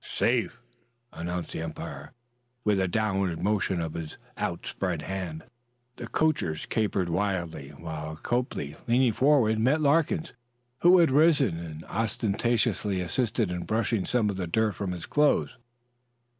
"Safe!" announced the umpire, with a downward motion of his outspread hand. The coachers capered wildly, while Copley, leaping forward, met Larkins, who had risen, and ostentatiously assisted in brushing some of the dirt from his clothes.